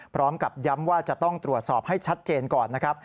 พร้อมกับย้ำว่าจะต้องตรวจสอบให้ชัดเจนก่อนนะครับ